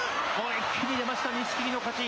一気に出ました、錦木の勝ち。